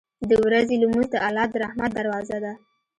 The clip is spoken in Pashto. • د ورځې لمونځ د الله د رحمت دروازه ده.